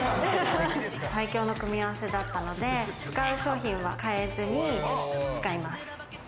最強の組み合わせだったので使う商品は変えずに使います。